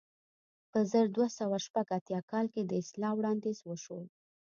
په زر دوه سوه شپږ اتیا کال کې د اصلاح وړاندیز وشو.